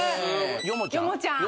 ヨモちゃん。